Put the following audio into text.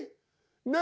何？